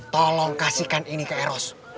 tolong kasihkan ini ke eros